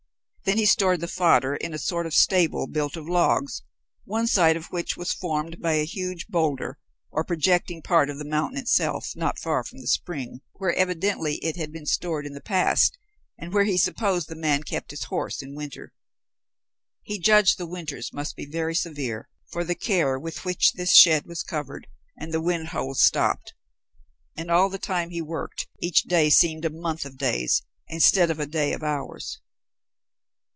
Then he stored the fodder in a sort of stable built of logs, one side of which was formed by a huge bowlder, or projecting part of the mountain itself, not far from the spring, where evidently it had been stored in the past, and where he supposed the man kept his horse in winter. He judged the winters must be very severe for the care with which this shed was covered and the wind holes stopped. And all the time he worked each day seemed a month of days, instead of a day of hours.